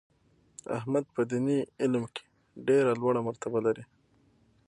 احمد په دیني علم کې ډېره لوړه مرتبه لري.